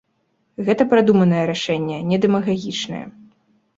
Гэта прадуманае рашэнне, не дэмагагічнае.